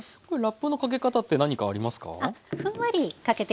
これラップのかけ方って何かありますか？